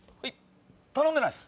頼んでないです。